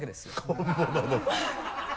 本物の